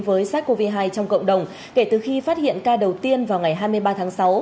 với sars cov hai trong cộng đồng kể từ khi phát hiện ca đầu tiên vào ngày hai mươi ba tháng sáu